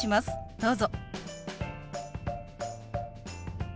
どうぞ。